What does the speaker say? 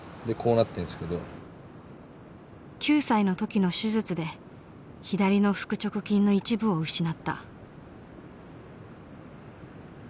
９歳の時の手術で左の腹直筋の一部を失った。